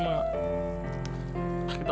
maksa maksain gentah